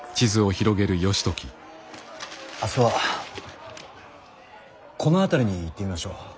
明日はこの辺りに行ってみましょう。